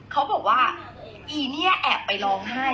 เอยพี่แพทย์